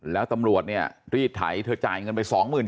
แล้วตำรวจดีดไถเธอจ่ายเงินไป๒๗๐๐๐บาท